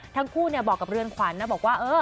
ทั้งคู่บอกกับเรือนขวัญนะบอกว่า